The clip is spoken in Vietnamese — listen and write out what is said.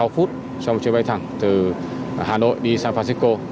sáu phút cho một chuyến bay thẳng từ hà nội đi san francisco